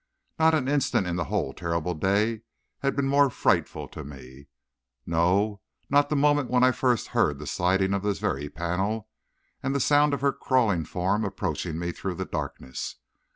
Not an instant in the whole terrible day had been more frightful to me, no, not the moment when I first heard the sliding of this very panel and the sound of her crawling form approaching me through the darkness.